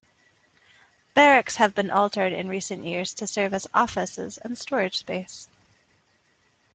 Barracks have been altered in recent years to serve as offices and storage space.